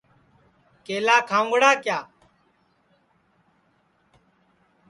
کیلا کھاؤنگڑا کِیا